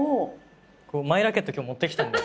マイラケット今日持ってきたんだよ。